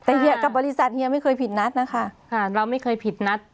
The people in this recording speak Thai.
แต่เฮียกับบริษัทเฮียไม่เคยผิดนัดนะคะเราไม่เคยผิดนัด